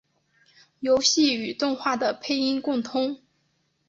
游戏与动画的配音共通。